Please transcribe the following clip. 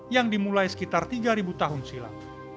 yang dimulai sekitar tiga tahun silam